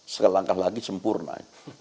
selangkah lagi sempurna